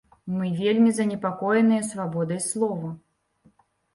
Мы вельмі занепакоеныя свабодай слова.